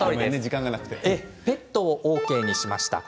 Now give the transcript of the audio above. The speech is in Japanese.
ペットをＯＫにしました。